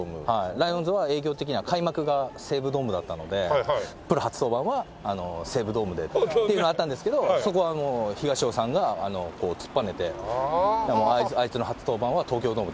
ライオンズは営業的には開幕が西武ドームだったのでプロ初登板は西武ドームでっていうのはあったんですけどそこはもう東尾さんがこう突っぱねて「あいつの初登板は東京ドームってもう決めてる」って言って。